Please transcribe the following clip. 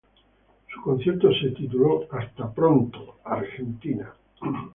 Su concierto se tituló "Hasta pronto Argentina!".